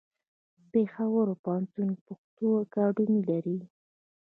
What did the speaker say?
پېښور پوهنتون پښتو اکاډمي لري.